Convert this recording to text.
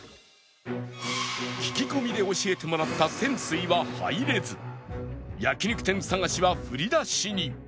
聞き込みで教えてもらった千翠は入れず焼肉店探しは振り出しに